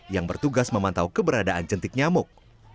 yang bertugas memantau keberadaan jentik nyamuk